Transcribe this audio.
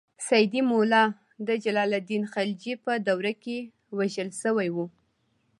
سیدي مولا د جلال الدین خلجي په دور کې وژل شوی و.